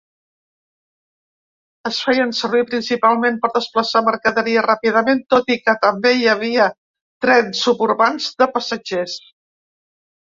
Es feien servir principalment per desplaçar mercaderia ràpidament, tot i que també hi havia trens suburbans de passatgers.